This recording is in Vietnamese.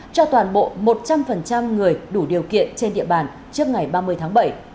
cho toàn bộ một trăm linh người đủ điều kiện trên địa bàn trước ngày ba mươi tháng bảy